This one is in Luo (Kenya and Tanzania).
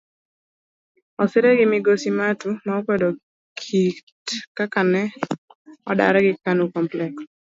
Osire gi migosi Matuu ma okwedo kit kaka ne odargi kanu complex.